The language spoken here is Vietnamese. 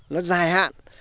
nó dài hạn